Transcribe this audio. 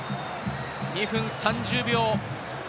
２分３０秒。